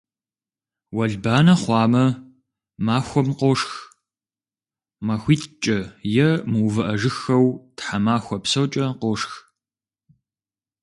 Уэлбанэ хъуамэ, махуэм къошх, махуитӀкӀэ е мыувыӀэжыххэу тхьэмахуэ псокӀэ къошх.